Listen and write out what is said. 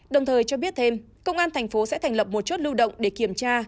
đồng thời cho biết thêm công an tp hcm sẽ thành lập một chốt lưu động để kiểm tra